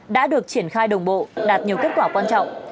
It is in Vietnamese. đã được triển khai đồng bộ đạt nhiều kết quả quan trọng